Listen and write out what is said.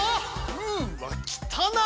うっわきたなっ！